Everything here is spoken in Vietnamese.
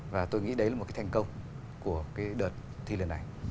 và tôi nghĩ đấy là một thành công của đợt thi lần này